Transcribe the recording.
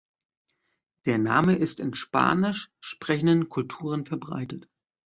Der Name ist in spanisch sprechenden Kulturen verbreitet.